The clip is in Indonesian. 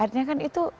artinya kan itu